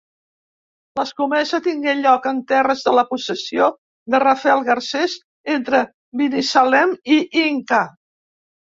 L'escomesa tengué lloc en terres de la possessió de Rafal Garcés, entre Binissalem i Inca.